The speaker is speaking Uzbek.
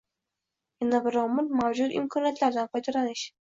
Yana bir omil – mavjud imkoniyatlardan foydalanish.